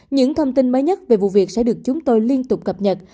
những thông tin mới nhất về vụ việc sẽ được chúng tôi liên tục cập nhật